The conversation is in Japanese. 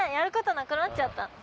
ることなくなっちゃった。